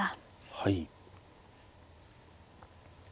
はい。